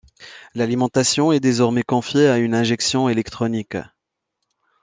L'alimentation est désormais confiée à une injection électronique.